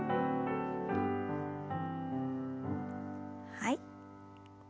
はい。